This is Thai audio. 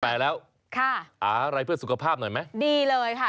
แต่แล้วค่ะหาอะไรเพื่อสุขภาพหน่อยไหมดีเลยค่ะ